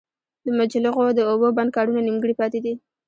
د مچلغو د اوبو بند کارونه نيمګړي پاتې دي